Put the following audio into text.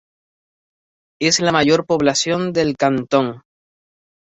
Es la mayor población del cantón.